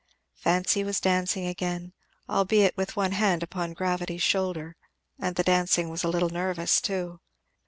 Fancy was dancing again, albeit with one hand upon gravity's shoulder, and the dancing was a little nervous too.